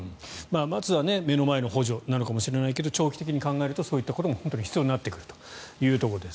まずは目の前の補助なのかもしれないけど長期的に考えるとそういったことも必要になってくるというところです。